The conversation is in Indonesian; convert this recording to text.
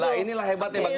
lah inilah hebatnya kita